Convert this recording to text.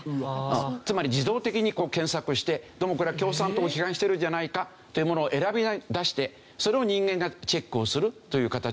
つまり自動的に検索してどうもこれは共産党を批判してるんじゃないかっていうものを選び出してそれを人間がチェックをするという形をしてると。